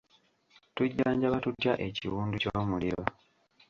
Tujjanjaba tutya ekiwundu ky'omuliro?